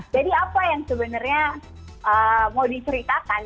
jadi apa yang sebenarnya mau diceritakan